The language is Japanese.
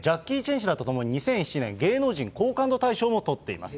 ジャッキー・チェン氏らとともに２００７年芸能人好感度大賞も取っています。